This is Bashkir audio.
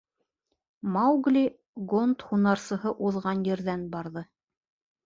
Маугли гонд һунарсыһы уҙған ерҙән барҙы.